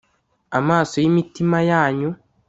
amaso y imitima yanyu